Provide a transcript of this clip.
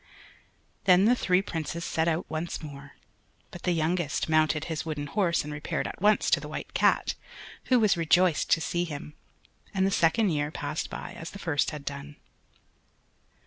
Then the three Princes set out once more, but the youngest mounted his wooden horse and repaired at once to the White Cat, who was rejoiced to see him, and the second year passed by as the first had done.